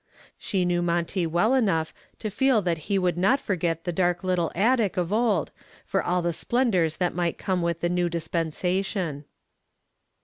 She knew Monty well enough to feel that he would not forget the dark little attic of old for all the splendors that might come with the new dispensation.